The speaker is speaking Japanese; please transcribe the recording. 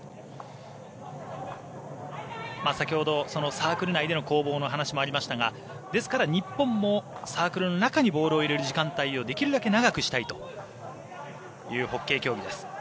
先ほど、サークル内での攻防の話もありましたがですから、日本もサークルの中にボールを入れる時間帯をできるだけ長くしたいというホッケー競技です。